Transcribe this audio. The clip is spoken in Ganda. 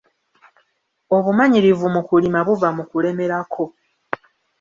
Obumanyirivu mu kulima buva mu kulemerako.